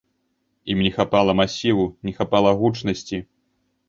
Ім не хапала масіву, не хапала гучнасці.